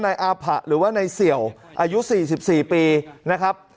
นายอาผะหรือว่านายเสี่ยวอายุ๔๔ปีนะครับ